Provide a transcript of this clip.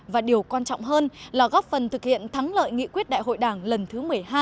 và điều quan trọng hơn là góp phần thực hiện thắng lợi nghị quyết đại hội đảng lần thứ một mươi hai